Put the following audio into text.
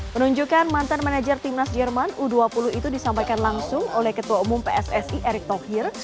penunjukan mantan manajer timnas jerman u dua puluh itu disampaikan langsung oleh ketua umum pssi erick thohir